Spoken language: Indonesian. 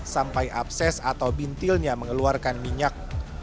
sampai abses atau bintilnya mengeluarkan minyak